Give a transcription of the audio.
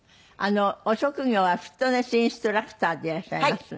お職業はフィットネスインストラクターでいらっしゃいます。